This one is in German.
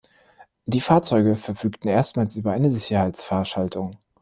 Die Fahrzeuge verfügten erstmals über eine Sicherheitsfahrschaltung.